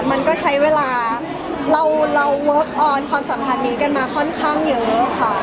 มันก็ใช้เวลาเราเวิร์คออนความสัมพันธ์นี้กันมาค่อนข้างเยอะค่ะ